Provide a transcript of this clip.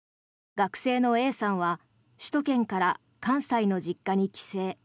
学生のＡさんは首都圏から関西の実家に帰省。